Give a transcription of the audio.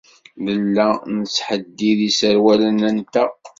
Nella nettḥeddid iserwalen-nteɣ.